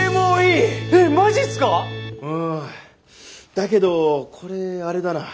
だけどこれあれだな。